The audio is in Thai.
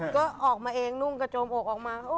ก็ออกมาเองนุ่งกระโจมอกออกมา